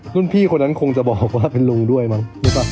รุ่นพี่คนนั้นคงจะบอกว่าเป็นลุงด้วยมั้ง